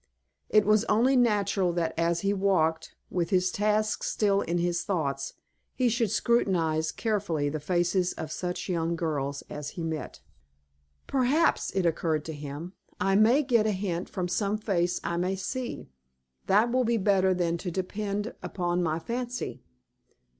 It was only natural that, as he walked, with his task still in his thoughts, he should scrutinize carefully the faces of such young girls as he met. "Perhaps," it occurred to him, "I may get a hint from some face I may see. That will be better than to depend upon my fancy.